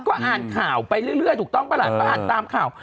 ก็อ่านข่าวไปเรื่อยถูกต้องปะล่ะก็อ่านตามข่าว